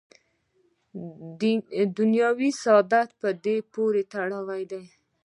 دنیوي سعادت په دې پورې تړلی دی.